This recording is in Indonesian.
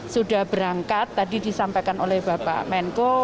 sudah berangkat tadi disampaikan oleh bapak menko